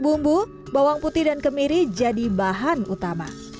bumbu bawang putih dan kemiri jadi bahan utama